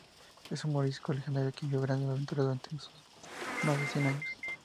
Es un morisco legendario que vivió grandes aventuras durante sus más de cien años.